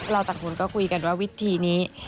เราตัดผลก็คุยกันว่าวิธีนี้